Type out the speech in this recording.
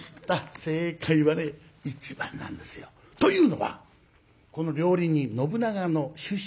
正解はね１番なんですよ。というのはこの料理人信長の出身地を考えたんですよ。